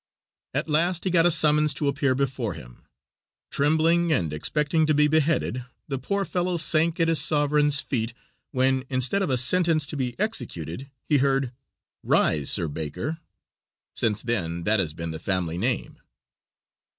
At last he got a summons to appear before him; trembling and expecting to be beheaded, the poor fellow sank at his sovereign's feet, when, instead of a sentence to be executed, he heard: 'Rise, Sir Baker.' Since then that has been the family name."